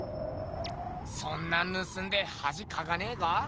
そんなんぬすんではじかかねぇか？